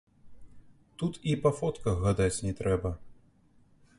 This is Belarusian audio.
Тут і па фотках гадаць не трэба!